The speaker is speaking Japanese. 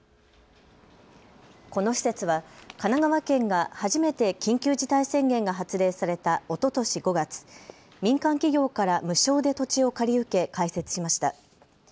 この施設は神奈川県が初めて緊急事態宣言が発令されたおととし５月、民間企業から無償で土地を借り受け開設しました。